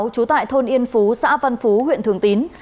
trú tại thôn yên phú xã văn phú huyện thường tín